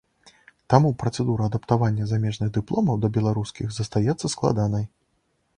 Таму працэдура адаптавання замежных дыпломаў да беларускіх застаецца складанай.